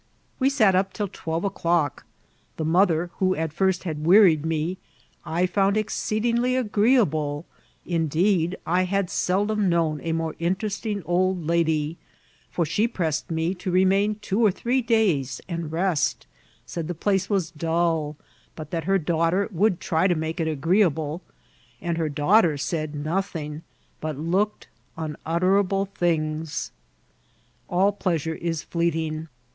We sat up till twelve o'clock. The mother, who at first had wearied me, I found exceedingly agreeable ; indeed, I had seldom known a more interesting old lady; for she pressed me to remain two or ttffee days and rest ; said the place was dull, but that her daughte|r would try to make it agreeable ; and her daughter said nothing, but looked unutterable things. All pleasure is fleeting.